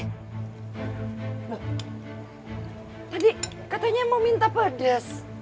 tadi katanya mau minta pedes